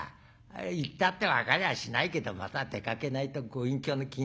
行ったって分かりゃしないけどまた出かけないとご隠居の機嫌が悪いんでな。